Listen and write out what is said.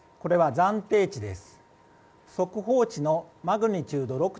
暫定値です。